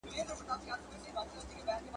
د ستۍ کښینستلو نه ویل کیدل